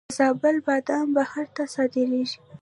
د زابل بادام بهر ته صادریږي.